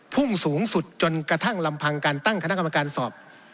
พุ่งสูงสุดจนกระทั่งลำพังการตั้งคณะกรรมการสอบ